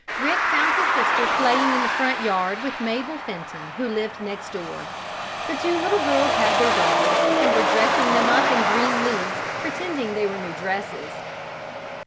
Rick found his sister playing in the front yard with Mabel Fenton, who lived next door. The two little girls had their dolls, and were dressing them up in green leaves, pretending they were new dresses.